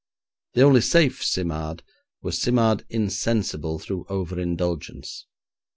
The only safe Simard was Simard insensible through over indulgence.